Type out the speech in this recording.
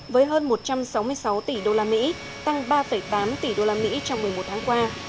với hơn một trăm sáu mươi sáu tỷ đô la mỹ tăng ba tám tỷ đô la mỹ trong một mươi một tháng qua